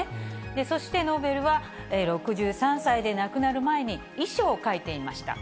そして、ノーベルは６３歳で亡くなる前に、遺書を書いていました。